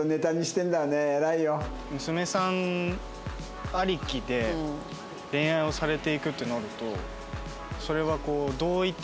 娘さんありきで恋愛をされていくってなるとそれはこうどういった？